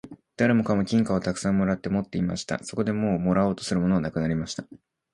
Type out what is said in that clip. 誰もかも金貨をたくさん貰って持っていました。そこでもう貰おうとするものはなくなりました。